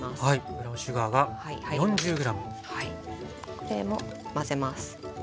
これも混ぜます。